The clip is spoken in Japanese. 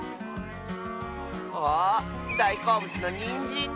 あだいこうぶつのニンジンだ！